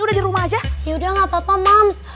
yaudah gak apa apa mams